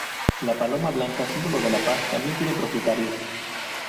La “Paloma Blanca”, símbolo de la Paz, también tiene propietarios.